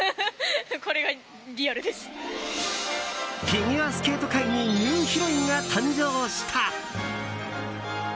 フィギュアスケート界にニューヒロインが誕生した。